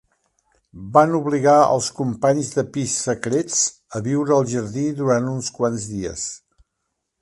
Van obligar els companys de pis secrets a viure al jardí durant uns quants dies.